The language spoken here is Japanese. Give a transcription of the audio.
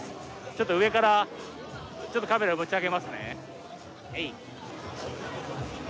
ちょっと、上からカメラを持ち上げますね。